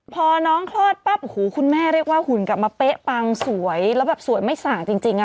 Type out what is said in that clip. พอน้องคลอดปั๊บโอ้โหคุณแม่เรียกว่าหุ่นกลับมาเป๊ะปังสวยแล้วแบบสวยไม่ส่างจริง